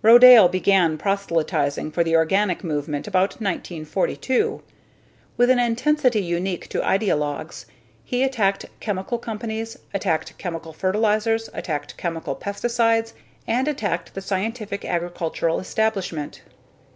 Rodale began proselytizing for the organic movement about 1942. With an intensity unique to ideologues, he attacked chemical companies, attacked chemical fertilizers, attacked chemical pesticides, and attacked the scientific agricultural establishment.